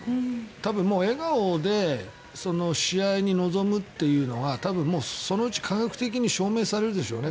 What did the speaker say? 多分笑顔で試合に臨むというのが多分そのうち科学的に証明されるでしょうね。